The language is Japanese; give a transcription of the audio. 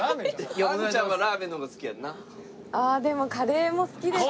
ああでもカレーも好きです。